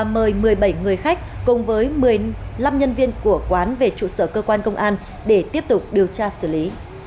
mời một mươi bảy người khách cùng với một mươi năm nhân viên của quán về trụ sở cơ quan công an để tiếp tục điều tra xử lý